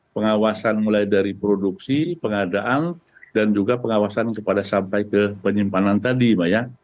pengawasan mulai dari produksi pengadaan dan juga pengawasan kepada sampai ke penyimpanan tadi mbak ya